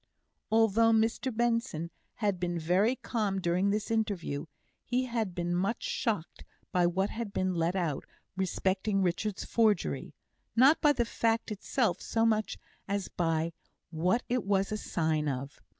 Although Mr Benson had been very calm during this interview, he had been much shocked by what had been let out respecting Richard's forgery; not by the fact itself so much as by what it was a sign of.